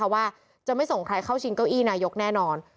ว่าจะไม่ส่งใครเข้าชิงเก้าอี้นายกแน่นอน